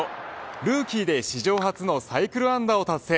ルーキーで史上初のサイクル安打を達成